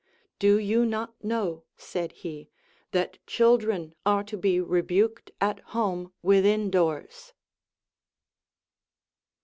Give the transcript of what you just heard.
Do you not know, said he, that children are to be rebuked at home within doors'?